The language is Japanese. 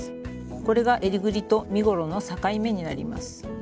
これがえりぐりと身ごろの境目になります。